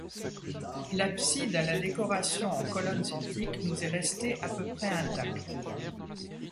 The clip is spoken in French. L’abside à la décoration en colonnes antiques nous est restée à peu près intacte.